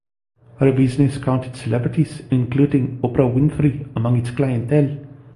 Her business counted celebrities including Oprah Winfrey among its clientele.